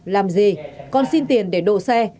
làm gì con xin tiền để đổ xe